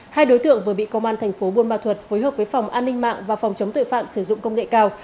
hai đối tượng vừa bị công an thành phố buôn ma thuật phối hợp với phòng an ninh mạng và phòng chống tội phạm sử dụng công nghệ cao